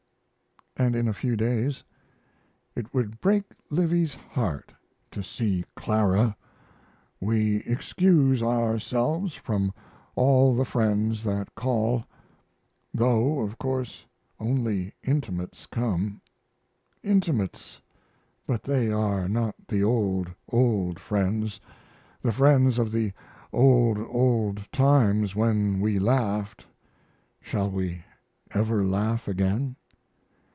And in a few days: It would break Livy's heart to see Clara. We excuse ourself from all the friends that call though, of course, only intimates come. Intimates but they are not the old, old friends, the friends of the old, old times when we laughed. Shall we ever laugh again?